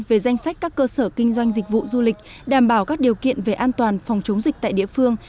về danh sách các cơ sở kinh doanh dịch vụ du lịch đảm bảo các điều kiện về an toàn phòng chống dịch tại địa phương